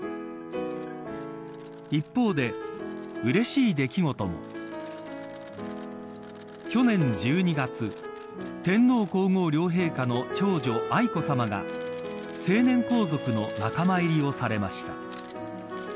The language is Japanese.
一方でうれしい出来事も去年１２月天皇皇后両陛下の長女愛子さまが成年皇族の仲間入りをされました。